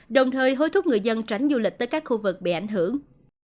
đồng thời hối thúc người dân tránh du lịch tới các khu vực bị ảnh hưởng